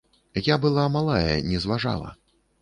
Я была малая, не зважала.